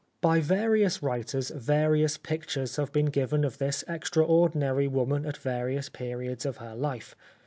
By various writers various pictures have been given of this extraordinary woman at various periods in her life.